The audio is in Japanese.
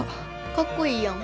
かっこいいやん。